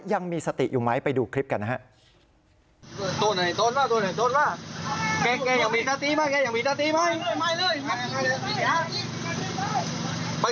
ยังมีสติอยู่ไหมไปดูคลิปกันนะฮะ